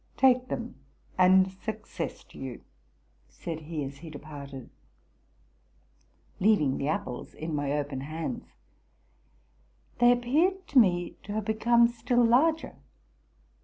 Take them, and success to you!'' said he, as he departed, leaving the apples in my open hands. They appeared to me to have become still larger.